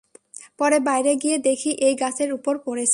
পরে বাইরে গিয়ে দেখি এই গাছের উপর পড়েছে।